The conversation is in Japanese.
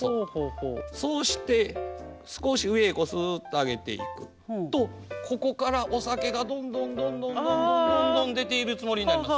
そうして少し上へすっと上げていくとここからお酒がどんどんどんどんどんどんどんどん出ているつもりになります。